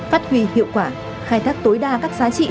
phát huy hiệu quả khai thác tối đa các giá trị